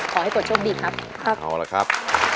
ขอให้กดโชคดีครับ